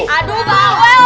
aduh bawel ya